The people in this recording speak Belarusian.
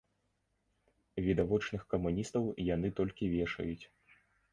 Відавочных камуністаў яны толькі вешаюць.